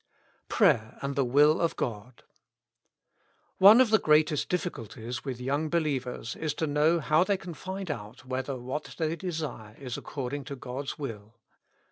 Prayer and thk Wii,i, of God. One of the greatest difficulties with young believers is to know how they can find out whether what they desire is accord ing to God's will.